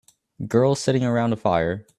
Girls sitting around a fire